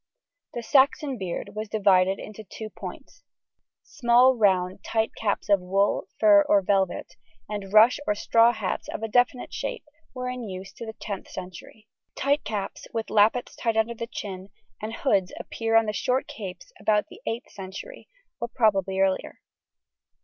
The Saxon beard was divided into two points. Small round tight caps of wool, fur, or velvet, and rush or straw hats of a definite shape were in use to the 10th century. Tight caps, with lappets tied under the chin, and hoods appear on the short capes about the 8th century, or probably earlier.